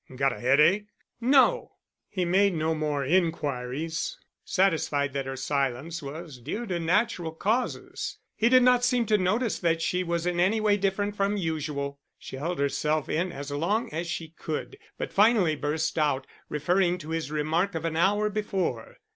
"Got a headache?" "No!" He made no more inquiries, satisfied that her silence was due to natural causes. He did not seem to notice that she was in any way different from usual. She held herself in as long as she could, but finally burst out, referring to his remark of an hour before.